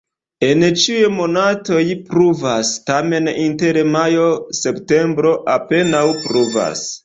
En ĉiuj monatoj pluvas, tamen inter majo-septembro apenaŭ pluvas.